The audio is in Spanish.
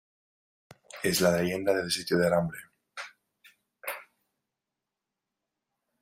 Es la leyenda del sitio del hambre.